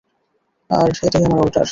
আর এটাই আমার অর্ডার।